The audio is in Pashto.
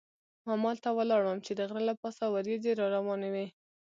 همالته ولاړ وم چې د غره له پاسه وریځې را روانې وې.